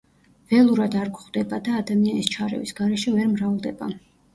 ველურად არ გვხვდება და ადამიანის ჩარევის გარეშე ვერ მრავლდება.